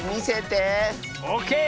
オーケー！